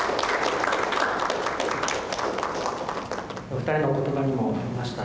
お二人の言葉にもありました